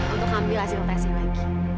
untuk ngambil hasil tesnya lagi